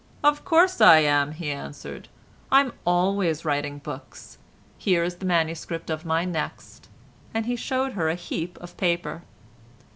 "Of course I am," he answered, "I'm always writing books; here is the manuscript of my next;" and he showed her a heap of paper.